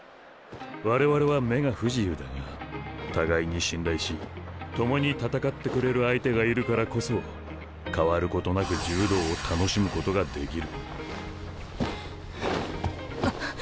我々は目が不自由だが互いに信頼し共に戦ってくれる相手がいるからこそ変わることなく柔道を楽しむことができる。